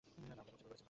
না, ভুল বলেছি।